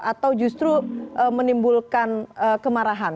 atau justru menimbulkan kemarahan